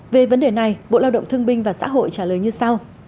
về vấn đề này bộ lao động thương binh và xã hội trả lời như sau